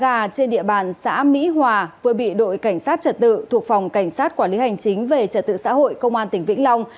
gà trên địa bàn xã mỹ hòa vừa bị đội cảnh sát trật tự thuộc phòng cảnh sát quản lý hành chính về trật tự xã hội công an tỉnh vĩnh long